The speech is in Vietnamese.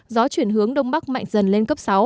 gió chuyển hướng đông bắc mạnh dần lên cấp sáu